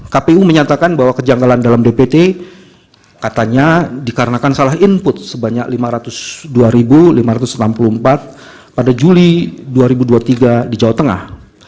kpu menyatakan bahwa kejanggalan dalam dpt katanya dikarenakan salah input sebanyak lima ratus dua lima ratus enam puluh empat pada juli dua ribu dua puluh tiga di jawa tengah